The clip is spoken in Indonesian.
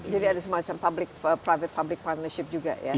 jadi ada semacam public private partnership juga ya di sini